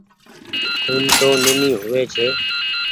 ٿوم تو نيني هووي ڇي۔